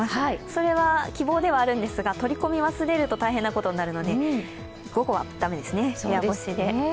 それは希望ではあるんですが取り込み忘れると大変なことになるので午後は駄目ですね、部屋干しで。